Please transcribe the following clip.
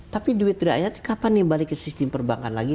tapi duit rakyat kapan nih balik ke sistem perbankan lagi